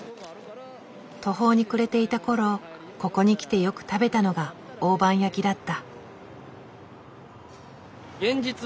途方に暮れていた頃ここに来てよく食べたのが大判焼きだった。